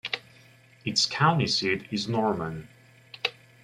Its county seat is Norman.